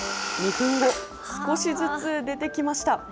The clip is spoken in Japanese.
２分後、少しずつ出てきました。